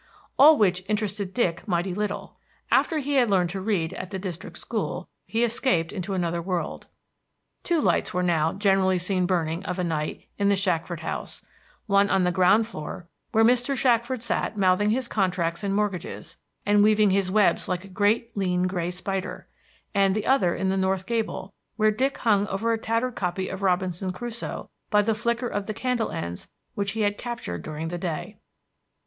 All which interested Dick mighty little. After he had learned to read at the district school, he escaped into another world. Two lights were now generally seen burning of a night in the Shackford house: one on the ground floor where Mr. Shackford sat mouthing his contracts and mortgages, and weaving his webs like a great, lean, gray spider; and the other in the north gable, where Dick hung over a tattered copy of Robinson Crusoe by the flicker of the candle ends which he had captured during the day.